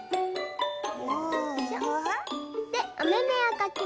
でおめめをかきます。